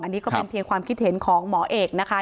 อันนี้ก็เป็นเพียงความคิดเห็นของหมอเอกนะคะ